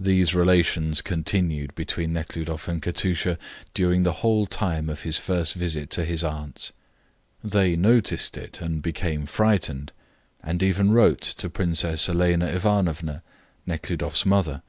These relations continued between Nekhludoff and Katusha during the whole time of his first visit to his aunts'. They noticed it, and became frightened, and even wrote to Princess Elena Ivanovna, Nekhludoff's mother.